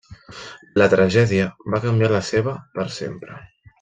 La tragèdia va canviar la seva per sempre.